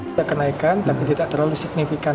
ada kenaikan tapi tidak terlalu signifikan